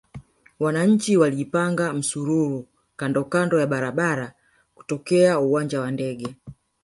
Wananchi walijipanga msururu kandokando mwa barabara kutokea uwanja wa ndege